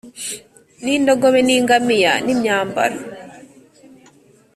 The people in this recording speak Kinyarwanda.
n’indogobe n’ingamiya n’imyambaro